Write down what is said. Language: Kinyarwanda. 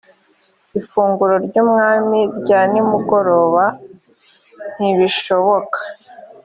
ifunguro ry umwami rya nimugoroba ntibishoboka